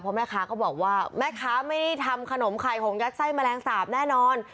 เพราะแม่ค้าก็บอกว่าแม่ค้าไม่ได้ทำขนมไข่หงยัดไส้แมลงสาบแน่นอน